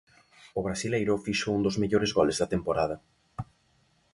O brasileiro fixo un dos mellores goles da temporada.